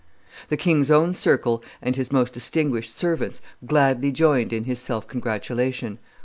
The king's own circle and his most distinguished servants gladly joined in his self congratulation.